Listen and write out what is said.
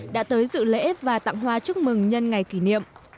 đã tới dự lễ và tặng hoa chúc mừng nhân ngày kỷ niệm